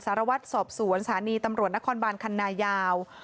สารวัตรสอบสวนสถานีตำรวจนครบานคันนายาว